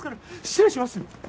失礼します。